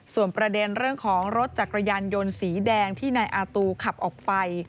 ส่วนประเด็นเรื่องของรถจักรยานยนต์สีแดงที่นายอาตูขับออกไป